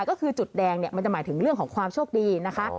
ก็คือจุดแดงเนี่ยมันจะหมายถึงเรื่องของความโชคดีนะคะ